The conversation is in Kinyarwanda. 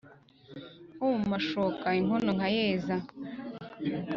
Nko mu mashoka inkono nkayeza!”